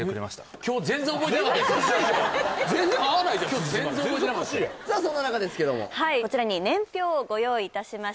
つじつまが全然おかしいよさあそんな中ですけどもはいこちらに年表をご用意いたしました